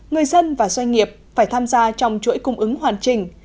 người dân và doanh nghiệp phải tham gia trong chuỗi cung ứng hoàn chỉnh